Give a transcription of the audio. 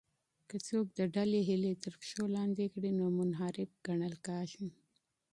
که څوک د ډلې هیلې تر پښو لاندې کړي نو منحرف ګڼل کیږي.